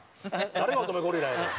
「誰が乙女ゴリラやねん」